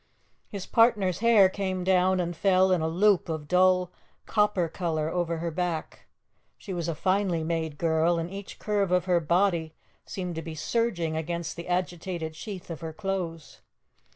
His partner's hair came down and fell in a loop of dull copper colour over her back. She was a finely made girl, and each curve of her body seemed to be surging against the agitated sheath of her clothes.